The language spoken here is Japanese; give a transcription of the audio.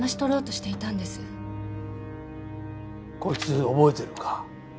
こいつ覚えてるか？